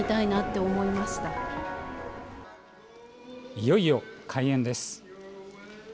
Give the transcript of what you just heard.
いよいよ開演です。